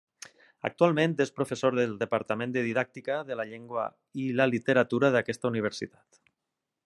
Actualment és professor del Departament de Didàctica de la Llengua i la Literatura d'aquesta universitat.